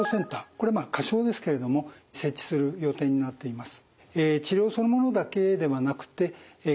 これまあ仮称ですけれども設置する予定になっています。